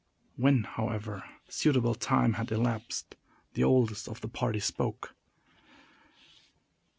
When, however, suitable time had elapsed, the oldest of the party spoke.